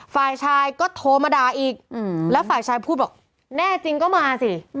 ฝ่ายชายก็โทรมาด่าอีกแล้วฝ่ายชายพูดบอกแน่จริงก็มาสิ